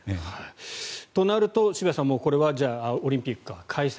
となると渋谷さんこれはオリンピックは開催。